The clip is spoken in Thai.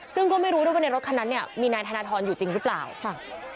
ซึ่งก็ไม่รู้ด้วยว่าในรถคันนั้นเนี่ยมีนายธนทรอยู่จริงหรือเปล่าฟัง